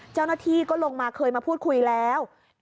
เจ้าหน้าที่ก็ลงมาเคยมาพูดคุยแล้ว